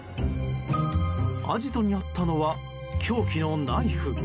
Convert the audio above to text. アジトにあったのは凶器のナイフ。